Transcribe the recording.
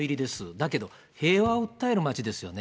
だけど、平和を訴える街ですよね。